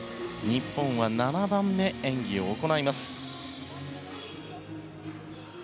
日本は７番目に演技を行います。